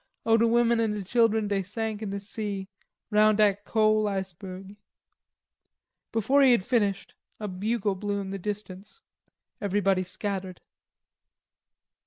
O de women an' de chilen dey sank in de sea, Roun' dat cole iceberg." Before he had finished a bugle blew in the distance. Everybody scattered.